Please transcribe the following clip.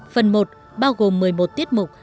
phần một bao gồm một mươi một tiết mục